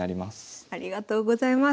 ありがとうございます。